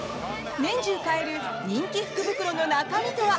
年中買える人気福袋の中身とは？